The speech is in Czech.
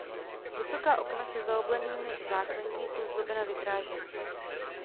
Vysoká okna se zaoblenými záklenky jsou zdobena vitrážemi.